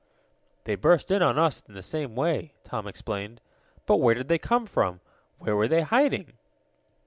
"They burst in on us in the same way," Tom explained. "But where did they come from? Where were they hiding?"